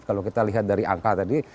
kalau kita lihat dari angka tadi